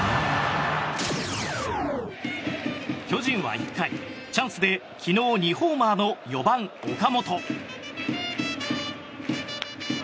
巨人は１回、チャンスで昨日２ホーマーの４番、岡本。